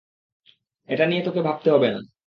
এটা নিয়ে তোকে ভাবতে হবে না।